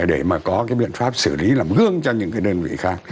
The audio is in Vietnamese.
để mà có cái biện pháp xử lý làm gương cho những cái đơn vị khác